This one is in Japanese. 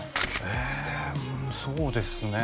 えそうですね